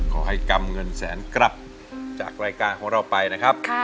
กำเงินแสนกลับจากรายการของเราไปนะครับ